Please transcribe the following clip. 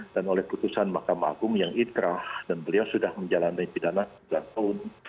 dan oleh keputusan mahkamah agung yang ikhlas dan beliau sudah menjalani pidana sudah terum